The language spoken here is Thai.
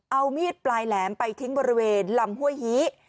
เอามีดปลายแหลมไปทิ้งบริเวณลำห้วยฮี